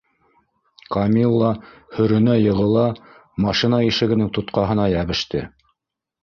- Камилла һөрөнә-йығыла машина ишегенең тотҡаһына йәбеште.